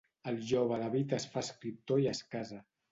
El jove David es fa escriptor i es casa.